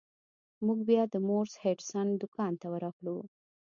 موږ بیا د مورس هډسن دکان ته ورغلو.